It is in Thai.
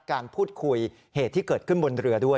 การพูดคุยเหตุที่เกิดขึ้นบนเรือด้วย